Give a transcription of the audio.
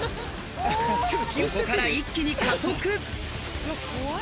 ここから一気に加速怖い！